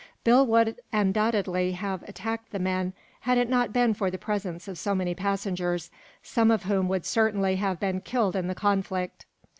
Bill would undoubtedly have attacked the men had it not been for the presence of so many passengers, some of whom would certainly have been killed in the conflict.